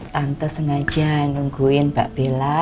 tante sengaja nungguin mbak bella